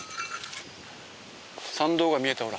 参道が見えたほら。